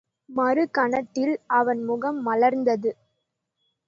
மறு கணத்தில் அவன் முகம் மலர்ந்தது.